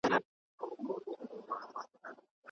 ما غوښتل چې هغې ته د کابل د پغمان کیسې وکړم.